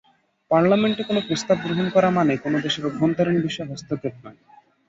পার্লামেন্টে কোনো প্রস্তাব গ্রহণ করা মানে কোনো দেশের অভ্যন্তরীণ বিষয়ে হস্তক্ষেপ নয়।